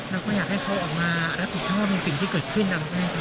แล้วก็อยากให้เขาออกมารับผิดชอบเป็นสิ่งที่เกิดขึ้นนะครับ